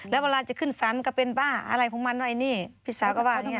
แล้วเวลาจะขึ้นสารก็เป็นบ้าอะไรของมันไอ้นี่พี่สาวก็ว่าอย่างนี้